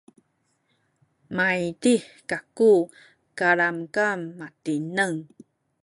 maydih kaku kalamkam matineng